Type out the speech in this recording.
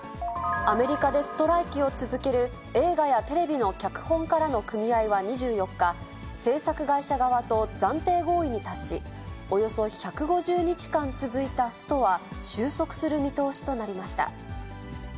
アメリカでストライキを続ける映画やテレビの脚本家らの組合は２４日、制作会社側と暫定合意に達し、およそ１５０日間続いたストは収束する見通しとなりました。